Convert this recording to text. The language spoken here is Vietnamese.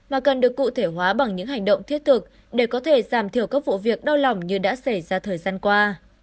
mà cần được cụ thể hóa bằng những hành động thiết thực để có thể giảm thiểu các vụ việc đau lòng như đã xảy ra thời gian qua